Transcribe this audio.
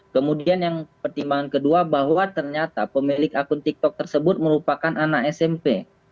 kemudian yang pertimbangan kedua bahwa ternyata pemilik akun tiktok tersebut merupakan anak smp